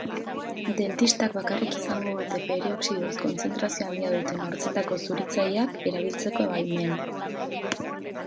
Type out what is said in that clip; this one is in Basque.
Dentistak bakarrik izango dute perioxido kontzentrazio handia duten hortzetako zuritzaileak erabiltzeko baimena.